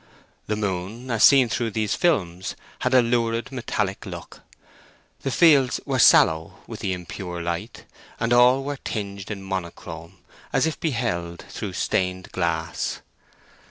The moon, as seen through these films, had a lurid metallic look. The fields were sallow with the impure light, and all were tinged in monochrome, as if beheld through stained glass.